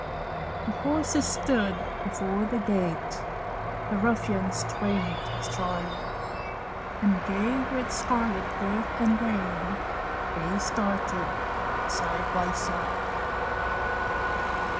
The horses stood before the gate, The ruffians twain astride; And gay with scarlet girth and rein They started, side by side.